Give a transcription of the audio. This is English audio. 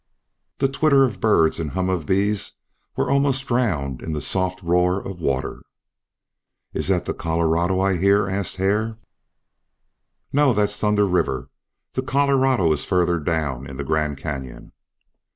The twitter of birds and hum of bees were almost drowned in the soft roar of water. "Is that the Colorado I hear?" asked Hare. "No, that's Thunder River. The Colorado is farther down in the Grand Canyon."